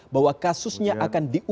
bahwa kasusnya akan dibutuhkan